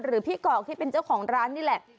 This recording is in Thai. พี่กอกที่เป็นเจ้าของร้านนี่แหละ